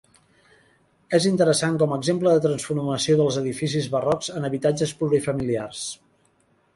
És interessant com a exemple de transformació dels edificis barrocs en habitatges plurifamiliars.